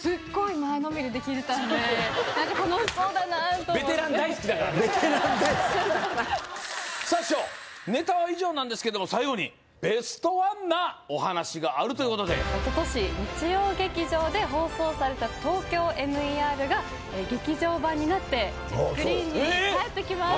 前のめりで聞いてたんで何か楽しそうだなとベテラン大好きだからベテラン大好きさあ師匠ネタは以上なんですけども最後にベストワンなお話があるということでおととし日曜劇場で放送された「ＴＯＫＹＯＭＥＲ」が劇場版になってスクリーンに帰ってきます